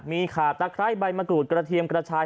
มีขาตะไคร้ใบมะกรูดกระเทียมกระชาย